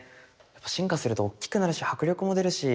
進化するとおっきくなるし迫力も出るし。